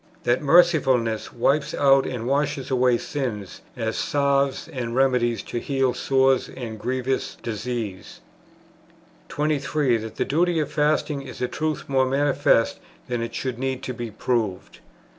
That mercifulness wipes out and washes away sins, as salves and remedies to heal sores and grievous diseases. 23. That the duty of fasting is a truth more manifest than it should need to be proved.